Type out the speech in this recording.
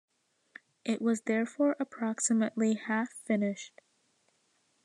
It was therefore approximately half finished.